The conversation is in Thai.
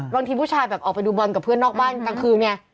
บางทีผู้ชายแบบออกไปดูบอลกับเพื่อนนอกบ้านกลางคืนไง